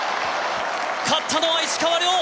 勝ったのは石川遼！